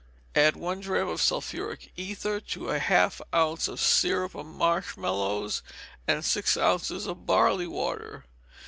Add one drachm of sulphuric ether to half an ounce of syrup of marsh mallows, and six ounces of barley water.